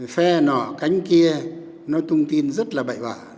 phe nọ cánh kia nói tung tin rất là bậy bả